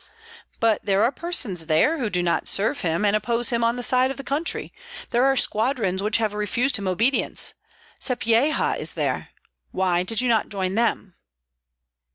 "But there are persons there who do not serve him, and oppose him on the side of the country; there are squadrons which have refused him obedience; Sapyeha is there. Why did you not join them?"